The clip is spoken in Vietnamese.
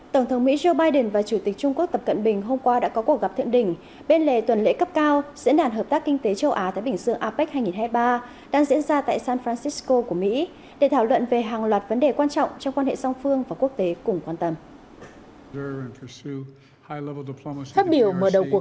tổng thống mỹ joe biden và chủ tịch trung quốc tập cận bình hôm qua đã có cuộc gặp thiện đỉnh bên lề tuần lễ cấp cao diễn đàn hợp tác kinh tế châu á thái bình dương apec hai nghìn hai mươi ba đang diễn ra tại san francisco của mỹ để thảo luận về hàng loạt vấn đề quan trọng trong quan hệ song phương và quốc tế cùng quan tâm